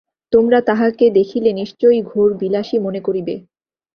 তোমরা তাঁহাকে দেখিলে নিশ্চয়ই ঘোর বিলাসী মনে করিবে।